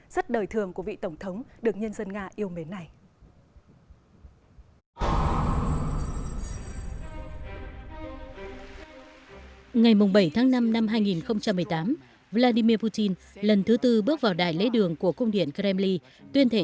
rất đời thường của vị tổng thống được nhân dân nga yêu mến này